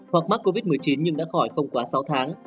hoặc mắc covid một mươi chín nhưng đã khỏi không quá sáu tháng